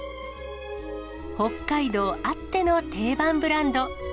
北海道あっての定番ブランド。